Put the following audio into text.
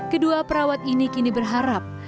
kedua perawat ini kini berharap